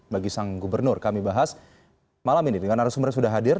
bagi sang gubernur kami bahas malam ini dengan arah sumber yang sudah hadir